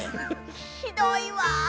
ひどいわ。